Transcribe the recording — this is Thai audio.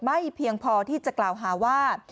ไม่เพียงพอที่จะกล่าวหาว่า